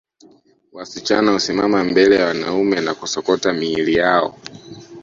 Wasichana husimama mbele ya wanaume na kusokota miili yao